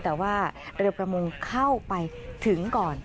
แต่ว่าเรือประมงเข้าไปถึงก่อน